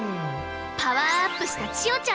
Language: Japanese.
パワーアップしたちおちゃん